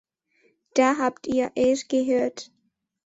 Da habt ihr es gehört.